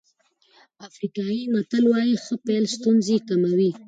افریقایي متل وایي ښه پيل ستونزې کموي.